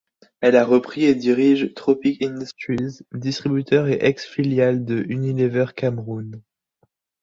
Elle a repris et dirige Tropik Industries, distributeur et ex-filiale de Unilever Cameroun.